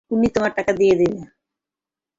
উনি তোমাকে টাকা দিয়ে দিবে।